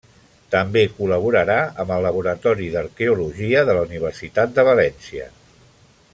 També col·laborarà amb el Laboratori d'Arqueologia de la Universitat de València.